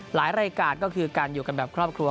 หลายรายการก็คือการอยู่กันแบบครอบครัว